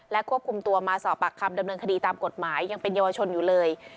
ควบคุมตัวมาสอบปากคำดำเนินคดีตามกฎหมายยังเป็นเยาวชนอยู่เลย